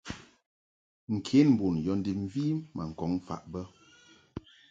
Nkenbun yɔ ndib mvi ma ŋkɔŋ faʼ bə.